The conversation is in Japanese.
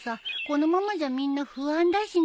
このままじゃみんな不安だしね。